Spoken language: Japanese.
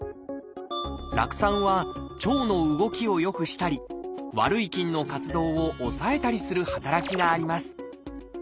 酪酸は腸の動きを良くしたり悪い菌の活動を抑えたりする働きがあります。